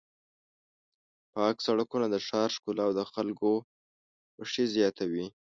پاک سړکونه د ښار ښکلا او د خلکو خوښي زیاتوي.